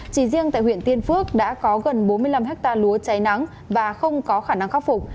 chỉ riêng tại huyện tiên phước đã có gần bốn mươi năm hectare lúa cháy nắng và không có khả năng khắc phục